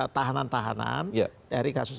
tahanan tahanan dari kasus